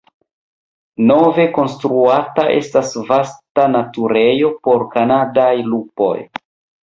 Nove konstruata estas vasta naturejo por kanadaj lupoj.